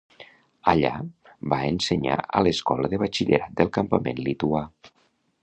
Allà, va ensenyar a l'escola de batxillerat del campament lituà.